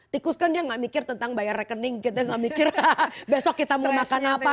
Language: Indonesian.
tikus kan akan tidak berpikir tentang yang bayar rekening kita tidak berpikir besok kita mau makan apa